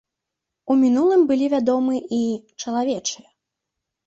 У мінулым былі вядомы і чалавечыя.